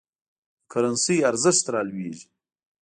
د کرنسۍ ارزښت رالویږي.